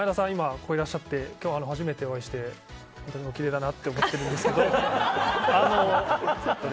ここにいらっしゃって今日初めてお会いしておきれいだなと思ってるんですけども。